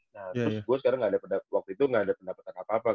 nah terus gue sekarang gak ada pendapatan waktu itu gak ada pendapatan apa apa kan